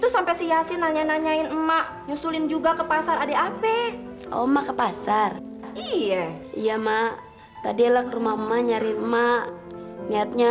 sampai jumpa di video selanjutnya